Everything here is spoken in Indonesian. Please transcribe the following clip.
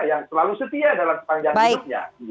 yang selalu setia dalam sepanjang hidupnya